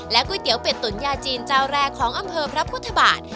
ก๋วยเตี๋ยวเป็ดตุ๋นยาจีนเจ้าแรกของอำเภอพระพุทธบาท